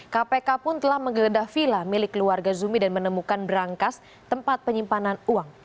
kpk pun telah menggeledah vila milik keluarga zumi dan menemukan berangkas tempat penyimpanan uang